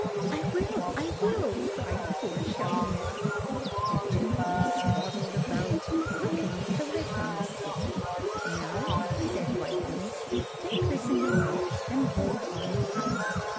"I will! I will!" cried poor Shelly Neck. The two geese waddled about, looking till they found a stick. "Now," said White Wings, "take this in your mouth and hold on tight!"